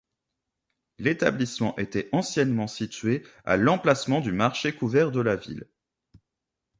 L'établissement était anciennement situé à l'emplacement du marché couvert de la ville.